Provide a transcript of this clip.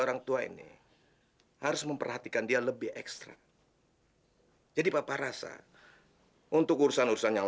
orang tua ini harus memperhatikan dia lebih ekstra jadi papa rasa untuk urusan urusan yang